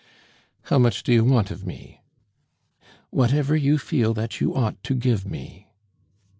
"How much to you want of me?" "Whatever you feel that you ought to give me."